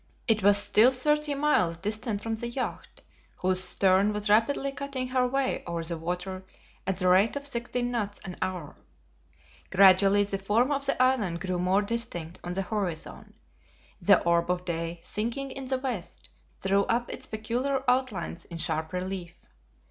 It was still thirty miles distant from the yacht, whose stem was rapidly cutting her way over the water at the rate of sixteen knots an hour. Gradually the form of the island grew more distinct on the horizon. The orb of day sinking in the west, threw up its peculiar outlines in sharp relief.